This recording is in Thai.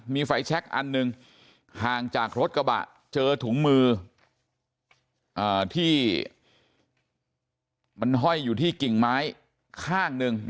มีไฟแชคอันหนึ่งห่างจากรถกระบะเจอถุงมือที่มันห้อยอยู่ที่กิ่งไม้ข้างหนึ่ง